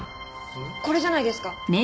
これじゃないですか？